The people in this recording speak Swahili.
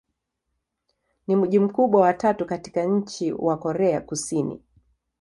Ni mji mkubwa wa tatu katika nchi wa Korea Kusini.